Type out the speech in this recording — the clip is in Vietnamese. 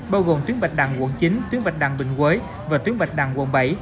bao gồm tuyến bạch đằng quận chín tuyến bạch đằng bình quế và tuyến bạch đằng quận bảy